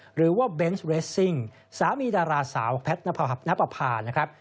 หรือว่าเบนส์เรสซิ่งสามีดาราสาวแพทย์ณปภานะครับ